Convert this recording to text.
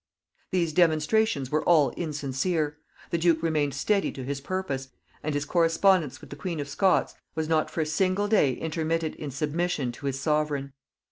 These demonstrations were all insincere; the duke remained steady to his purpose, and his correspondence with the queen of Scots was not for a single day intermitted in submission to his Sovereign.